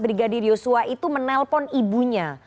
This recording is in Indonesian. brigadir yosua itu menelpon ibunya